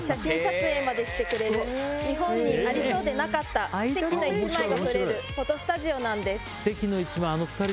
日本にありそうでなかった奇跡の一枚が撮れるフォトスタジオなんです。